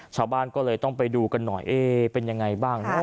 ชาวบ้านก็เลยต้องไปดูกันหน่อยเป็นยังไงบ้าง